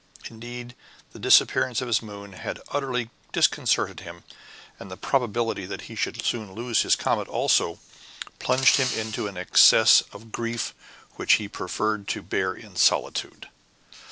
Indeed, the disappearance of his moon had utterly disconcerted him, and the probability that he should soon lose his comet also, plunged him into an excess of grief which he preferred to bear in solitude.